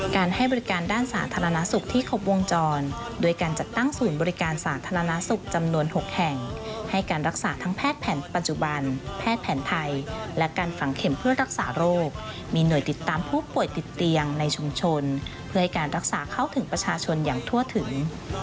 การให้บริการด้านสาธารณสุขที่ครบวงจรโดยการจัดตั้งศูนย์บริการสาธารณสุขจำนวน๖แห่งให้การรักษาทั้งแพทย์แผนปัจจุบันแพทย์แผนไทยและการฝังเข็มเพื่อรักษาโรคมีหน่วยติดตามผู้ป่วยติดเตียงในชุมชนเพื่อให้การรักษาเข้าถึงประชาชนอย่างทั่วถึง